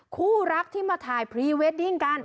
คู่รักที่มาถ่ายพรีเวดดิ้งกัน